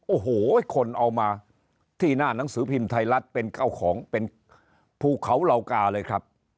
โอ้โหคนเอามาที่หน้าหนังสือพิมพ์ไทยรัฐเป็นเจ้าของเป็นภูเขาเหล่ากาเลยครับ